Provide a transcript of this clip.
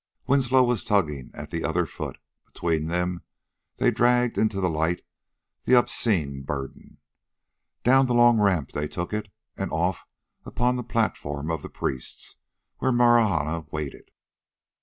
Winslow was tugging at the other foot. Between them they dragged into the light the obscene burden. Down the long ramp they took it and off upon the platform of the priests, where Marahna waited.